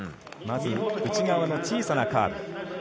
まず、内側の小さなカーブ。